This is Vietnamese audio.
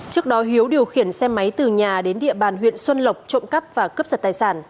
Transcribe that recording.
trước đó hiếu điều khiển xe máy từ nhà đến địa bàn huyện xuân lộc trộm cắp và cướp giật tài sản